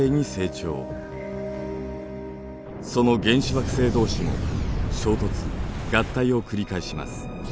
その原始惑星同士も衝突合体を繰り返します。